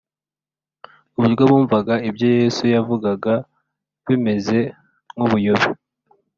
ku buryo bumvaga ibyo yesu yavugaga bimeze nk’ubuyobe